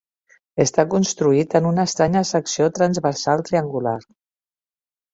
Està construït en una estranya secció transversal triangular.